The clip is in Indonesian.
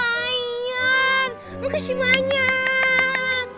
aiyan berkasih banyak